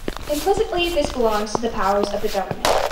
Implicitly this belongs to the powers of the government.